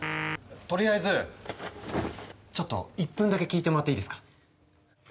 とりあえずちょっと１分だけ聞いてもらっていいですか？